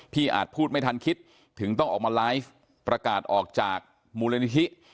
อาจพูดไม่ทันคิดถึงต้องออกมาไลฟ์ประกาศออกจากมูลนิธิ